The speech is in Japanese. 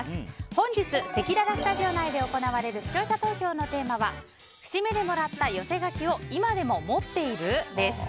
本日せきららスタジオで行われる視聴者投票のテーマは節目でもらった寄せ書きを今でも持っている？です。